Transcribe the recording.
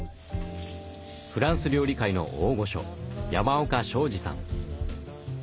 フランス料理界の大御所山岡昌治さん。